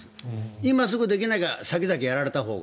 今すぐできなきゃ先々やられたほうが。